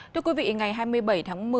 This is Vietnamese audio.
thưa quý vị ngày hai mươi bảy tháng một mươi